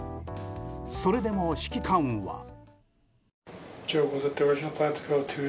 それでも指揮官は。